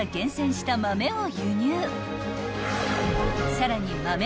［さらに］